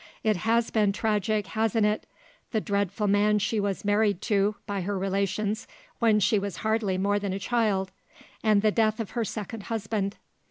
"It has been tragic, hasn't it. The dreadful man she was married to by her relations when she was hardly more than a child, and the death of her second husband.